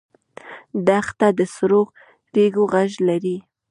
دښته د سرو ریګو غږ لري.